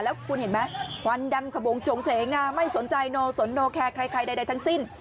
แล้วคุณเห็นไหมควันดำขวงจงเฉงนะไม่สนใจโนสนโนแคร์ใครใดทั้งสิ้น